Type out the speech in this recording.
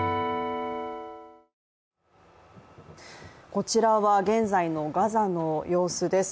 こちらは現在のガザの様子です。